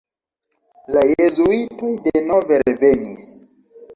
La jezuitoj denove revenis.